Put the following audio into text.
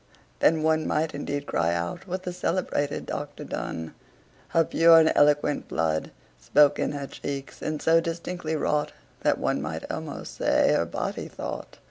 Then one might indeed cry out with the celebrated Dr Donne: Her pure and eloquent blood Spoke in her cheeks, and so distinctly wrought That one might almost say her body thought.